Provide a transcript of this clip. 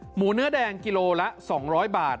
หมูเนื้อแดงกิโลละ๒๐๐บาท